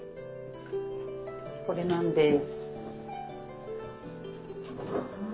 これなんです。